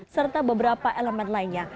serta beberapa elemen lainnya